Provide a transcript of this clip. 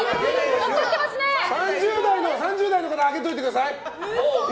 ３０代の方上げておいてください！